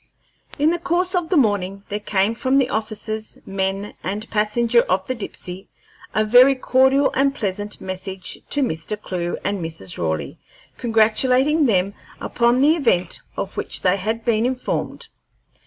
In the course of the morning there came from the officers, men, and passenger of the Dipsey a very cordial and pleasant message to Mr. Clewe and Mrs. Raleigh, congratulating them upon the happy event of which they had been informed.